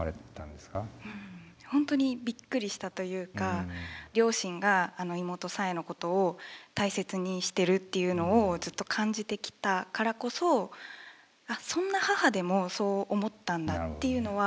本当にびっくりしたというか両親が妹彩英のことを大切にしてるっていうのをずっと感じてきたからこそそんな母でもそう思ったんだっていうのは。